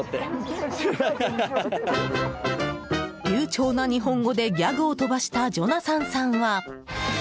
流ちょうな日本語でギャグを飛ばしたジョナサンさんは。